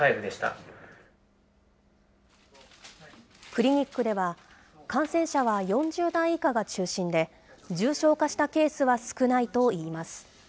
クリニックでは、感染者は４０代以下が中心で、重症化したケースは少ないといいます。